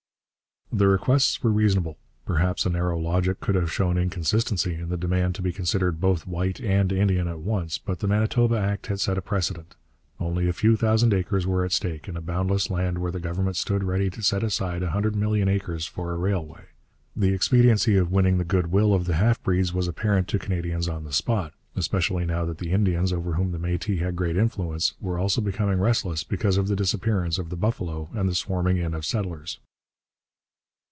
The requests were reasonable. Perhaps a narrow logic could have shown inconsistency in the demand to be considered both white and Indian at once, but the Manitoba Act had set a precedent. Only a few thousand acres were at stake, in a boundless land where the Government stood ready to set aside a hundred million acres for a railway. The expediency of winning the goodwill of the half breeds was apparent to Canadians on the spot, especially now that the Indians, over whom the Métis had great influence, were also becoming restless because of the disappearance of the buffalo and the swarming in of settlers.